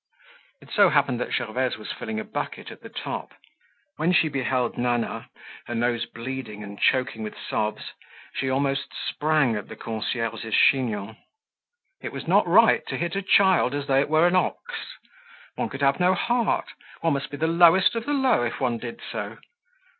It so happened that Gervaise was filling a bucket at the tap. When she beheld Nana, her nose bleeding and choking with sobs, she almost sprang at the concierge's chignon. It was not right to hit a child as though it were an ox. One could have no heart, one must be the lowest of the low if one did so.